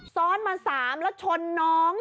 ซ้อนมา๓แล้วชนน้อง